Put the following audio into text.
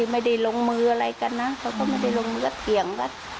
ไม่ได้ลงมืออะไรกันนะเขาก็ไม่ได้ลงมือเถียงกัน